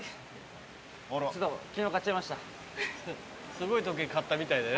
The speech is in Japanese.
すごい時計買ったみたいだね。